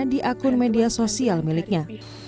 di akun media sosial miliknya